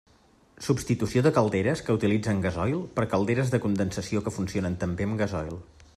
Substitució de calderes que utilitzen gasoil per calderes de condensació que funcionen també amb gasoil.